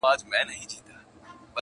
هغه ځان ته نوی ژوند لټوي،